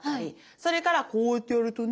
それからこうやってやるとね